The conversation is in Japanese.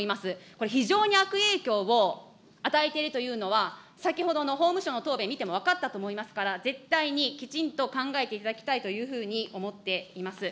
これ、非常に悪影響を与えているというのは、先ほどの法務省の答弁を見ても分かったと思いますから、絶対にきちんと考えていただきたいというふうに思っています。